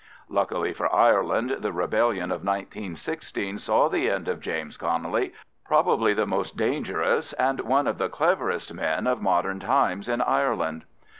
Luckily for Ireland, the rebellion of 1916 saw the end of James Connelly, probably the most dangerous and one of the cleverest men of modern times in Ireland.